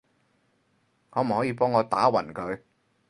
可唔可以幫我打暈佢？